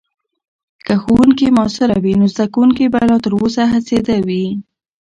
که ښوونکې مؤثرې وي، نو زدکونکي به لا تر اوسه هڅیده وي.